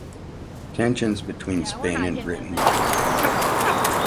Tensions between Spain and Britain were high.